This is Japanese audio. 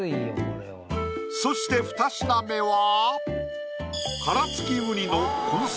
そしてふた品目は。